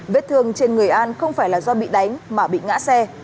vết thương trên người an không phải là do bị đánh mà bị ngã xe